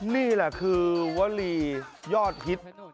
นี่แหละคือวลียอดฮิต